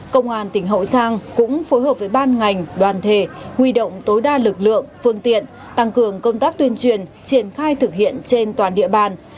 công an tỉnh hậu giang cũng phối hợp với ban ngành đoàn thể huy động tối đa lực lượng phương tiện tăng cường công tác tuyên truyền triển khai thực hiện trên toàn địa bàn